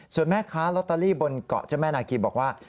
ส่วนแม่ค้าลอตเตอรี่บนเกาะเจ้าแม่นาคีบอกว่า